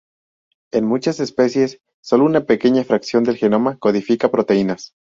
En muchas especies, solo una pequeña fracción del genoma codifica proteínas.